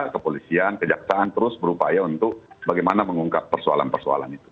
kepolisian kejaksaan terus berupaya untuk bagaimana mengungkap persoalan persoalan itu